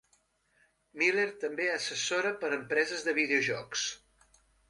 Miller també assessora per a empreses de videojocs.